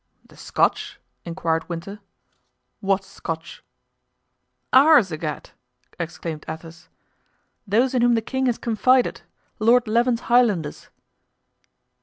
"The Scotch?" inquired Winter. "What Scotch?" "Ours, egad!" exclaimed Athos. "Those in whom the king has confided—Lord Leven's Highlanders."